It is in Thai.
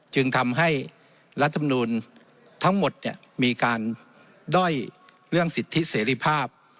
จึงทำให้รัฐมนูลทั้งหมดมีการด้อยเรื่องสิทธิเสรีภาพ